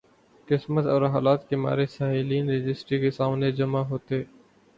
قسمت اور حالات کے مارے سائلین رجسٹری کے سامنے جمع ہوتے۔